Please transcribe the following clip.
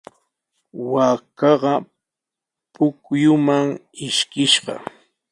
Waakaqa pukyuman ishkishqa.